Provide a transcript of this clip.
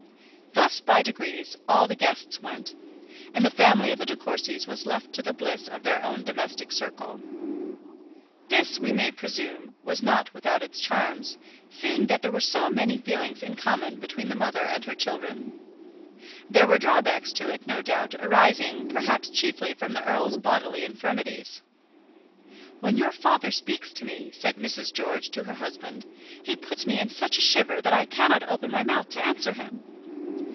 Thus by degrees all the guests went, and the family of the De Courcys was left to the bliss of their own domestic circle. This, we may presume, was not without its charms, seeing that there were so many feelings in common between the mother and her children. There were drawbacks to it, no doubt, arising perhaps chiefly from the earl's bodily infirmities. "When your father speaks to me," said Mrs. George to her husband, "he puts me in such a shiver that I cannot open my mouth to answer him."